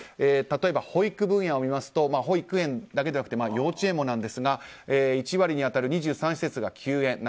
例えば保育分野を見ますと保育園だけでなくて幼稚園もなんですが１割に当たる２３施設が休園。